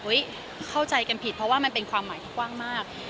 เข้าใจกันผิดเพราะว่ามันเป็นความหมายที่กว้างมาก